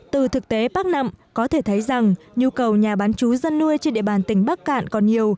từ thực tế bác nặng có thể thấy rằng nhu cầu nhà bán chú dân nuôi trên địa bàn tỉnh bắc cạn còn nhiều